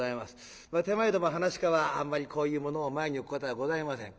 手前ども噺家はあんまりこういうものを前に置くことがございません。